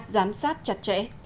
giám sát chặt chẽ